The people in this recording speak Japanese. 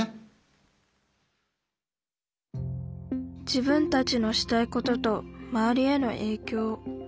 自分たちのしたいことと周りへのえいきょう。